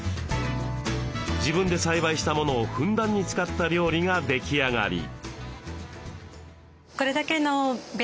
自分で栽培したものをふんだんに使った料理が出来上がり。